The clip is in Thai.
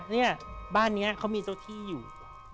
เนี่ยบ้านนี้เขามีเจ้าที่อยู่